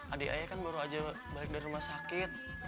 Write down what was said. adik ayah kan baru aja balik dari rumah sakit